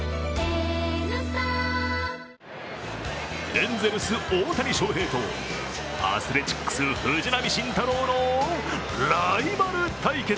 エンゼルス・大谷翔平とアスレチックス・藤浪晋太郎のライバル対決。